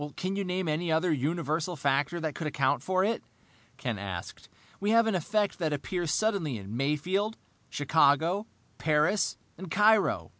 "Can you name any other universal factor that could account for it?" Ken asked. "We have an effect that appears suddenly in Mayfield, Chicago, Paris, and Cairo.